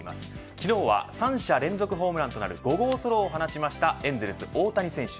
昨日は３者連続ホームランとなる５号ソロを放ちました大谷選手